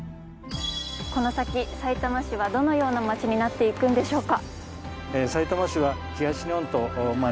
この先さいたま市はどのようなまちになっていくんでしょうか